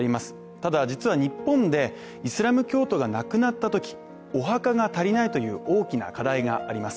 ただ実は日本でイスラム教徒が亡くなったとき、お墓が足りないという大きな課題があります